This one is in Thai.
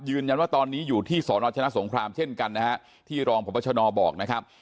ยืนยันว่าตอนนี้อยู่ที่สนชนะสงครามเช่นกันนะฮะที่รองพบชนบอกนะครับ